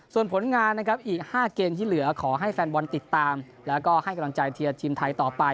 ส่วนผลงานนะครับอีก๕เกมที่เหลือขอให้แฟนบอลติดตามแล้วก็ให้กำลังใจเทียร์ทีมไทยต่อไป